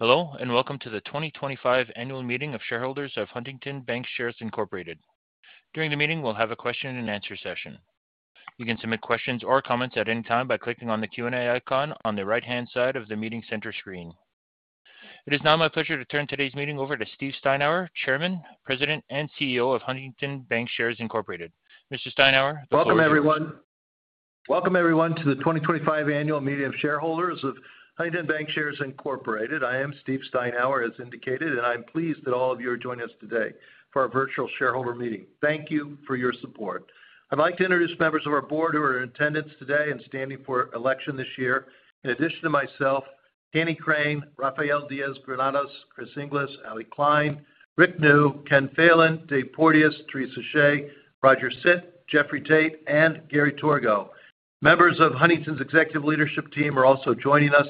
Hello, and welcome to the 2025 Annual Meeting of Shareholders of Huntington Bancshares Incorporated. During the meeting, we'll have a question-and-answer session. You can submit questions or comments at any time by clicking on the Q&A icon on the right-hand side of the meeting center screen. It is now my pleasure to turn today's meeting over to Steve Steinour, Chairman, President, and CEO of Huntington Bancshares Incorporated. Mr. Steinour, the floor is yours. Welcome, everyone. Welcome, everyone, to the 2025 Annual Meeting of Shareholders of Huntington Bancshares Incorporated. I am Steve Steinour, as indicated, and I'm pleased that all of you are joining us today for our virtual shareholder meeting. Thank you for your support. I'd like to introduce members of our board who are in attendance today and standing for election this year, in addition to myself: Tannie Crane, Rafael Diaz-Granados, Chris Inglis, Allie Kline, Rick Neu, Ken Phelan, Dave Porteous, Teresa Shea, Roger Sit, Jeffrey Tate, and Gary Torgow. Members of Huntington's executive leadership team are also joining us.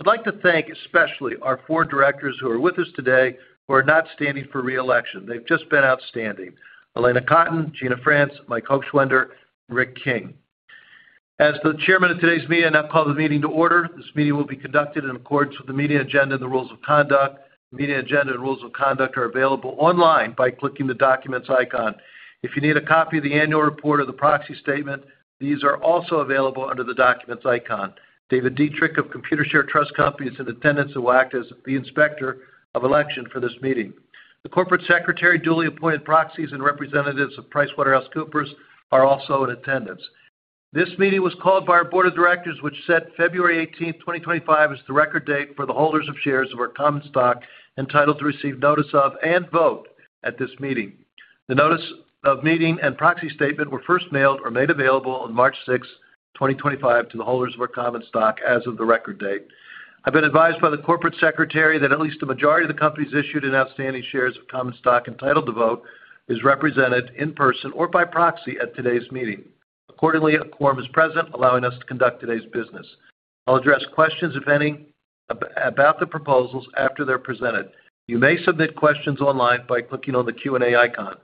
I'd like to thank especially our four directors who are with us today, who are not standing for reelection. They've just been outstanding: Alanna Cotton, Gina France, Mike Hochschwender, and Rick King. As the Chairman of today's meeting, I now call the meeting to order. This meeting will be conducted in accordance with the meeting agenda and the rules of conduct. The meeting agenda and rules of conduct are available online by clicking the documents icon. If you need a copy of the annual report or the proxy statement, these are also available under the documents icon. David Detrick of Computershare Trust Company is in attendance and will act as the inspector of election for this meeting. The Corporate Secretary, duly appointed proxies, and representatives of PricewaterhouseCoopers are also in attendance. This meeting was called by our Board of Directors, which set February 18, 2025, as the record date for the holders of shares of our common stock entitled to receive notice of and vote at this meeting. The notice of meeting and proxy statement were first mailed or made available on March 6, 2025, to the holders of our common stock as of the record date. I've been advised by the corporate secretary that at least the majority of the company's issued and outstanding shares of common stock entitled to vote are represented in person or by proxy at today's meeting. Accordingly, a quorum is present, allowing us to conduct today's business. I'll address questions, if any, about the proposals after they're presented. You may submit questions online by clicking on the Q&A icon.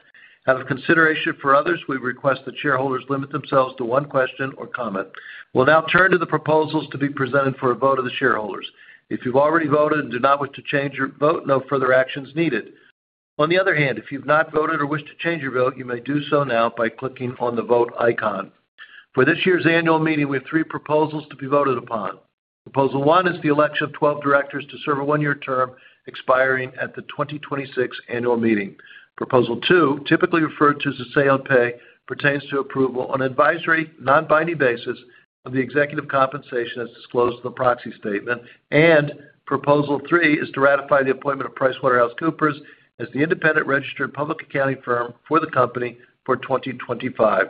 Out of consideration for others, we request that shareholders limit themselves to one question or comment. We'll now turn to the proposals to be presented for a vote of the shareholders. If you've already voted and do not wish to change your vote, no further action is needed. On the other hand, if you've not voted or wish to change your vote, you may do so now by clicking on the vote icon. For this year's annual meeting, we have three proposals to be voted upon. Proposal one is the election of 12 directors to serve a one-year term expiring at the 2026 annual meeting. Proposal two, typically referred to as a say on pay, pertains to approval on an advisory, non-binding basis of the executive compensation as disclosed in the proxy statement. Proposal three is to ratify the appointment of PricewaterhouseCoopers as the independent registered public accounting firm for the company for 2025.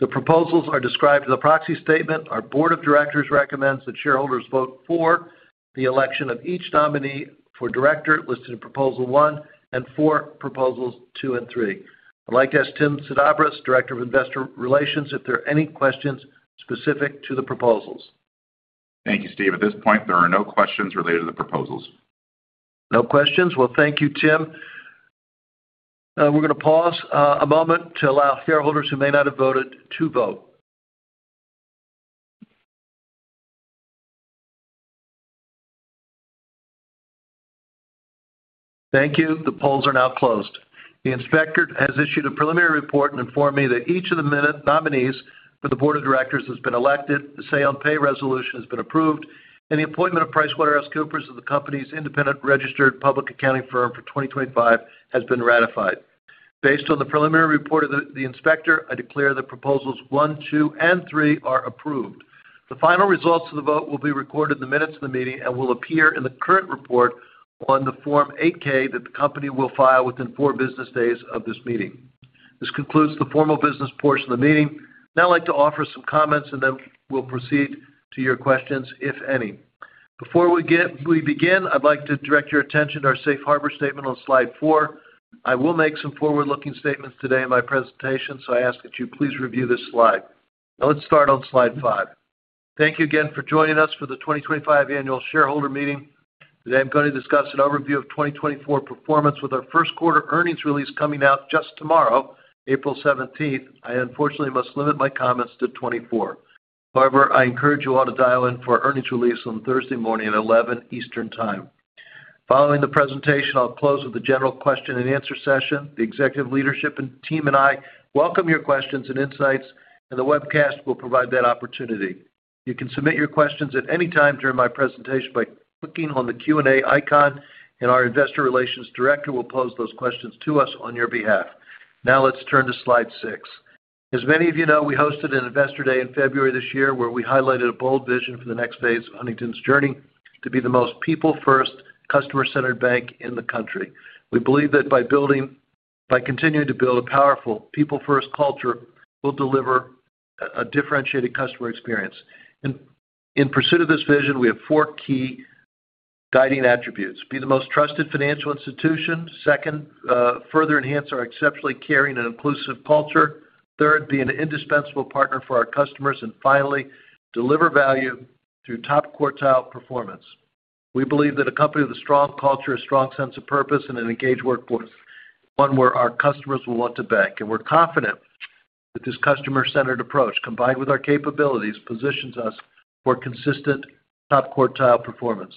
The proposals are described in the proxy statement. Our board of directors recommends that shareholders vote for the election of each nominee for director listed in proposal one and for proposals two and three. I'd like to ask Tim Sedabres, Director of Investor Relations, if there are any questions specific to the proposals. Thank you, Steve. At this point, there are no questions related to the proposals. No questions. Thank you, Tim. We're going to pause a moment to allow shareholders who may not have voted to vote. Thank you. The polls are now closed. The inspector has issued a preliminary report and informed me that each of the nominees for the board of directors has been elected, the say on pay resolution has been approved, and the appointment of PricewaterhouseCoopers as the company's independent registered public accounting firm for 2025 has been ratified. Based on the preliminary report of the inspector, I declare the proposals one, two, and three are approved. The final results of the vote will be recorded in the minutes of the meeting and will appear in the current report on the Form 8-K that the company will file within four business days of this meeting. This concludes the formal business portion of the meeting. Now I'd like to offer some comments, and then we'll proceed to your questions, if any. Before we begin, I'd like to direct your attention to our safe harbor statement on slide four. I will make some forward-looking statements today in my presentation, so I ask that you please review this slide. Now let's start on slide five. Thank you again for joining us for the 2025 annual shareholder meeting. Today, I'm going to discuss an overview of 2024 performance with our first quarter earnings release coming out just tomorrow, April 17th. I, unfortunately, must limit my comments to 2024. However, I encourage you all to dial in for our earnings release on Thursday morning at 11:00 A.M. Eastern Time. Following the presentation, I'll close with a general question-and-answer session. The executive leadership and team and I welcome your questions and insights, and the webcast will provide that opportunity. You can submit your questions at any time during my presentation by clicking on the Q&A icon, and our investor relations director will pose those questions to us on your behalf. Now let's turn to slide six. As many of you know, we hosted an Investor Day in February this year where we highlighted a bold vision for the next phase of Huntington's journey to be the most people-first, customer-centered bank in the country. We believe that by continuing to build a powerful people-first culture, we'll deliver a differentiated customer experience. In pursuit of this vision, we have four key guiding attributes: be the most trusted financial institution, second, further enhance our exceptionally caring and inclusive culture, third, be an indispensable partner for our customers, and finally, deliver value through top quartile performance. We believe that a company with a strong culture, a strong sense of purpose, and an engaged workforce is one where our customers will want to bank. We are confident that this customer-centered approach, combined with our capabilities, positions us for consistent top quartile performance.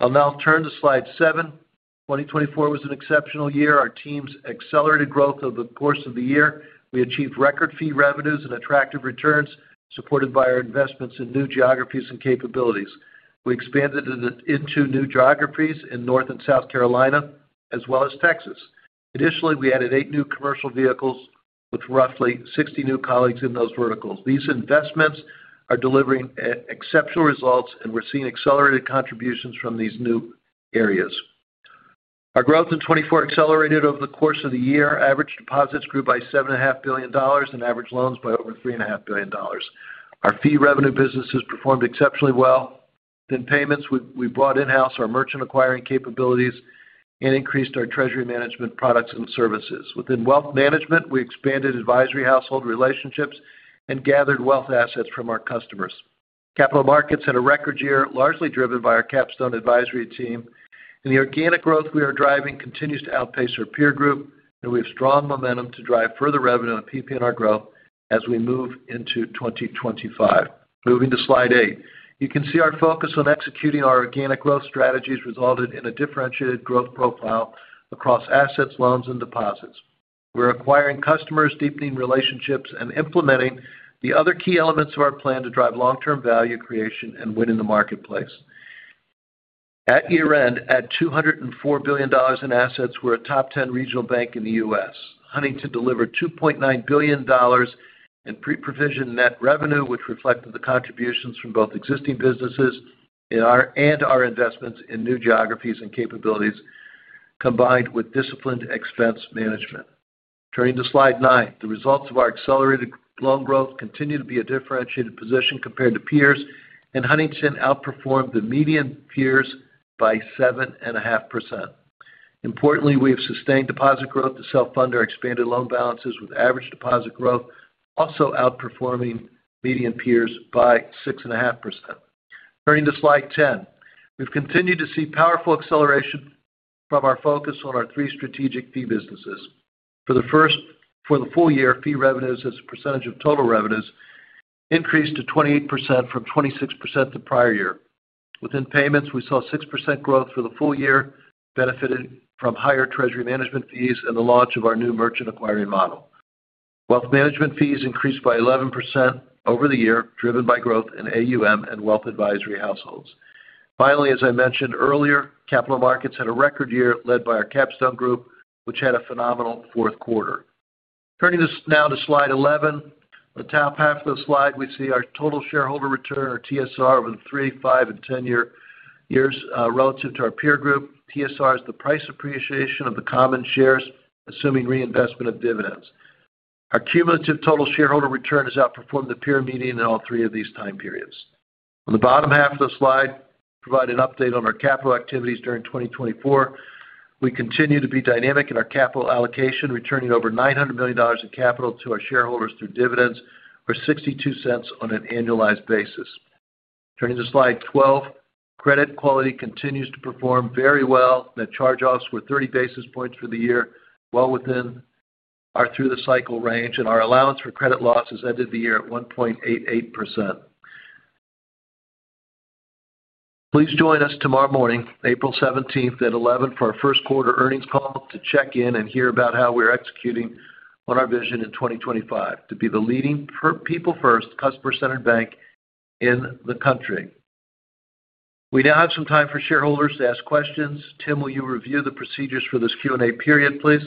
I'll now turn to slide seven. 2024 was an exceptional year. Our team's accelerated growth over the course of the year. We achieved record fee revenues and attractive returns supported by our investments in new geographies and capabilities. We expanded into new geographies in North Carolina and South Carolina, as well as Texas. Additionally, we added eight new commercial verticals with roughly 60 new colleagues in those verticals. These investments are delivering exceptional results, and we are seeing accelerated contributions from these new areas. Our growth in 2024 accelerated over the course of the year. Average deposits grew by $7.5 billion and average loans by over $3.5 billion. Our fee revenue business has performed exceptionally well. Within payments, we brought in-house our merchant acquiring capabilities and increased our treasury management products and services. Within wealth management, we expanded advisory household relationships and gathered wealth assets from our customers. Capital markets had a record year, largely driven by our Capstone Advisory Team. The organic growth we are driving continues to outpace our peer group, and we have strong momentum to drive further revenue and PPNR growth as we move into 2025. Moving to slide eight, you can see our focus on executing our organic growth strategies resulted in a differentiated growth profile across assets, loans, and deposits. We're acquiring customers, deepening relationships, and implementing the other key elements of our plan to drive long-term value creation and win in the marketplace. At year-end, at $204 billion in assets, we're a top-10 regional bank in the U.S. Huntington delivered $2.9 billion in pre-provision net revenue, which reflected the contributions from both existing businesses and our investments in new geographies and capabilities, combined with disciplined expense management. Turning to slide nine, the results of our accelerated loan growth continue to be a differentiated position compared to peers, and Huntington outperformed the median peers by 7.5%. Importantly, we have sustained deposit growth to self-fund our expanded loan balances, with average deposit growth also outperforming median peers by 6.5%. Turning to slide ten, we've continued to see powerful acceleration from our focus on our three strategic fee businesses. For the full year, fee revenues as a percentage of total revenues increased to 28% from 26% the prior year. Within payments, we saw 6% growth for the full year, benefited from higher treasury management fees and the launch of our new merchant acquiring model. Wealth management fees increased by 11% over the year, driven by growth in AUM and wealth advisory households. Finally, as I mentioned earlier, capital markets had a record year led by our Capstone Group, which had a phenomenal fourth quarter. Turning this now to slide 11, the top half of the slide, we see our total shareholder return, or TSR, over the three, five, and ten years relative to our peer group. TSR is the price appreciation of the common shares, assuming reinvestment of dividends. Our cumulative total shareholder return has outperformed the peer median in all three of these time periods. On the bottom half of the slide, we provide an update on our capital activities during 2024. We continue to be dynamic in our capital allocation, returning over $900 million in capital to our shareholders through dividends for $0.62 on an annualized basis. Turning to slide 12, credit quality continues to perform very well. Net charge-offs were 30 basis points for the year, well within our through-the-cycle range, and our allowance for credit losses ended the year at 1.88%. Please join us tomorrow morning, April 17th at 11:00 A.M., for our first quarter earnings call to check in and hear about how we are executing on our vision in 2025 to be the leading people-first, customer-centered bank in the country. We now have some time for shareholders to ask questions. Tim, will you review the procedures for this Q&A period, please?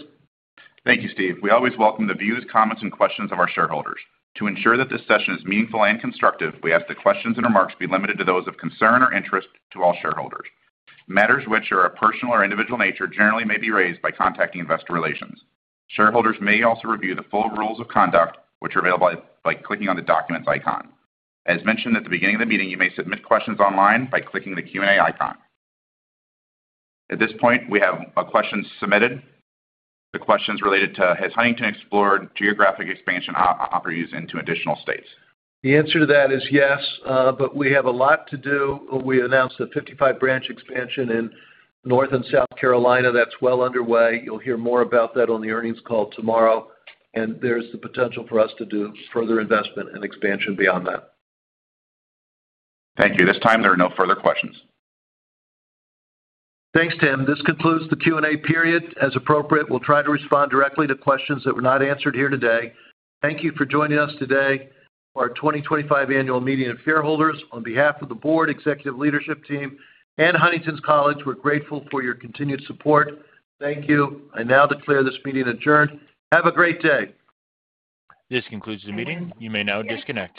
Thank you, Steve. We always welcome the views, comments, and questions of our shareholders. To ensure that this session is meaningful and constructive, we ask that questions and remarks be limited to those of concern or interest to all shareholders. Matters which are of personal or individual nature generally may be raised by contacting investor relations. Shareholders may also review the full rules of conduct, which are available by clicking on the documents icon. As mentioned at the beginning of the meeting, you may submit questions online by clicking the Q&A icon. At this point, we have a question submitted. The question is related to, has Huntington explored geographic expansion opportunities into additional states? The answer to that is yes, but we have a lot to do. We announced a 55-branch expansion in North Carolina and South Carolina. That is well underway. You will hear more about that on the earnings call tomorrow. There is the potential for us to do further investment and expansion beyond that. Thank you. At this time, there are no further questions. Thanks, Tim. This concludes the Q&A period. As appropriate, we'll try to respond directly to questions that were not answered here today. Thank you for joining us today for our 2025 annual meeting of shareholders. On behalf of the board, executive leadership team, and Huntington's colleagues, we're grateful for your continued support. Thank you. I now declare this meeting adjourned. Have a great day. This concludes the meeting. You may now disconnect.